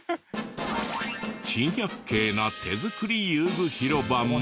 珍百景な手作り遊具広場も。